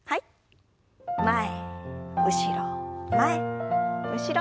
前後ろ前後ろ。